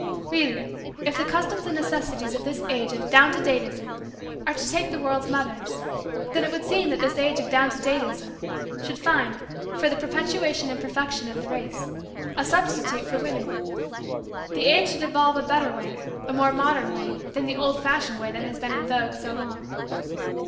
Really, if the customs and necessities of this age of "down to date ism" are to take the world's mothers, then it would seem that this age of "down to date ism" should find, for the perpetuation and perfection of the race, a substitute for women. The age should evolve a better way, a more modern method, than the old fashioned way that has been in vogue so long.